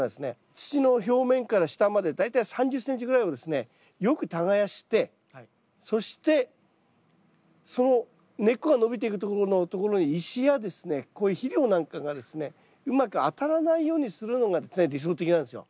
土の表面から下まで大体３０ｃｍぐらいをですねよく耕してそしてその根っこが伸びていくところに石やこういう肥料なんかがですねうまく当たらないようにするのが理想的なんですよ。